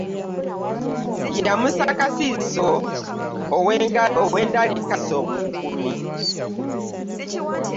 Yamussa omukukasiso ow'endali kassa omukukumi.